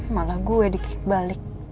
malah gue dikik balik